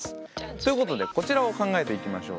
ということでこちらを考えていきましょう。